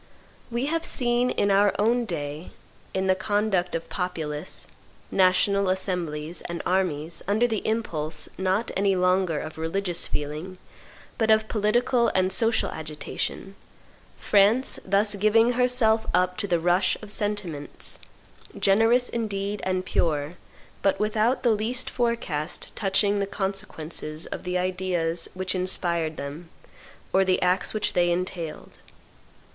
We have seen in our own day, in the conduct of populace, national assemblies, and armies, under the impulse not any longer of religious feeling, but of political and social agitation, France thus giving herself up to the rush of sentiments, generous indeed and pure, but without the least forecast touching the consequences of the ideas which inspired them or the acts which they entailed.